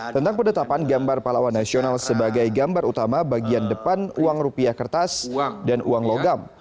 tentang penetapan gambar pahlawan nasional sebagai gambar utama bagian depan uang rupiah kertas dan uang logam